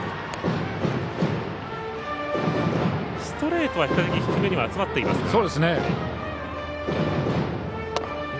ストレートは比較的低めには集まっています。